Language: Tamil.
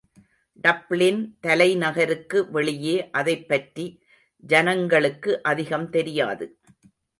டப்ளின் தலைநகருக்கு வெளியே அதைப்பற்றி ஜனங்களுக்கு அதிகம் தெரியாது.